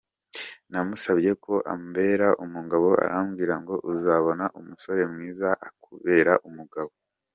Namusabye ko ambera umugabo arambwira ngo “Uzabona umusore mwiza akubere umugabo”.